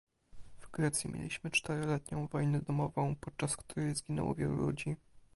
W Grecji mieliśmy czteroletnią wojnę domową, podczas której zginęło wielu ludzi